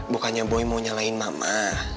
bukannya boy mau nyalain mama